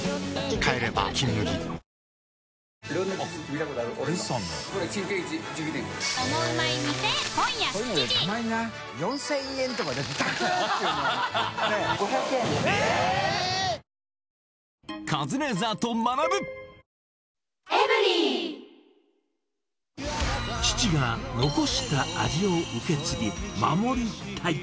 帰れば「金麦」父が残した味を受け継ぎ、守りたい。